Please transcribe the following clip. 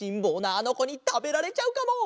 あのこにたべられちゃうかも！